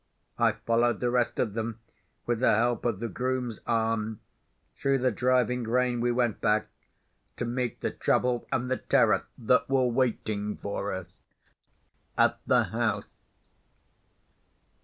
I followed the rest of them, with the help of the groom's arm. Through the driving rain we went back—to meet the trouble and the terror that were waiting for us at the house.